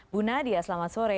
bu nadia selamat sore